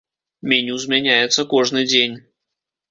Меню змяняецца кожны дзень.